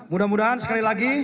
mudah mudahan sekali lagi